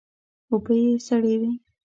اوبه یې سړې وې.